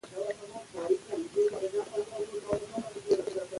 د افغانستان د علومو اکاډمۍ ډېر زاړه متون په تحقيقي ډول چاپ کړل.